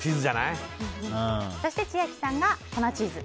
そして千秋さんが粉チーズ。